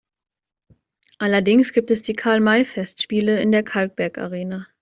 Allerdings gibt es die Karl-May-Festspiele in der Kalkbergarena.